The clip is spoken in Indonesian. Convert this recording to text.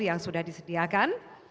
yang sudah disediakan